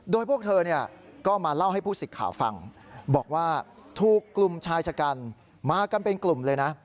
โดยพวกเธอก็มาเล่าให้ผู้สิทธิ์ข่าวฟังบอกว่าถูกกลุ่มชายชะกันมากันเป็นกลุ่มเลยนะ